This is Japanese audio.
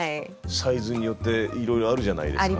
サイズによっていろいろあるじゃないですか。